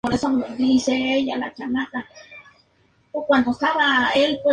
Trabajador del Gremio de la Vid.